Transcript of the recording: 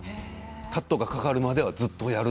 カットがかかるまではずっとやる？